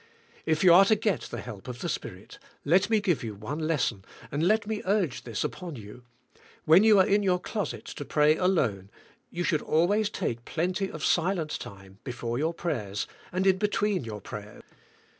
If you are to get the help of the Spirit let me give you one lesson, and let me urge this upon you, when you are in your closet to pray alone you should always take plenty of silent time before your prayers and in between your prayers.